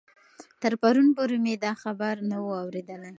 تر پرون پورې مې دا خبر نه و اورېدلی.